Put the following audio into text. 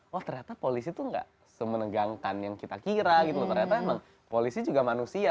wah ternyata polisi tuh gak semenegangkan yang kita kira gitu ternyata emang polisi juga manusia